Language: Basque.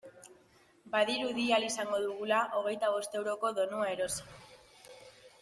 Badirudi ahal izango dugula hogeita bost euroko bonua erosi.